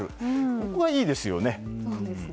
ここはいいですよね。